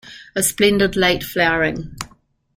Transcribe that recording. A splendid late flowering.